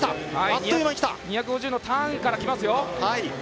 ２５０のターンからきますよ。